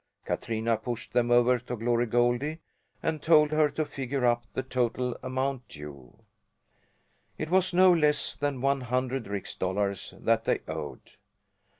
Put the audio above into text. Katrina pushed them over to Glory Goldie and told her to figure up the total amount due. It was no less than one hundred rix dollars that they owed!